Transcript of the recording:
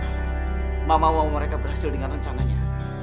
mama mau mereka berhasil dengan rencananya